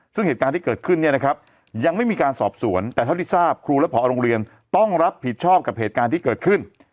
ซึ่งเหตุการณ์ที่เกิดขึ้นเนี่ยนะครับยังไม่มีการสอบสวนแต่เท่าที่ทราบครูและผอโรงเรียนต้องรับผิดชอบกับเหตุการณ์ที่เกิดขึ้น